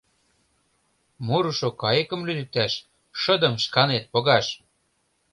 — Мурышо кайыкым лӱдыкташ — шыдым шканет погаш!..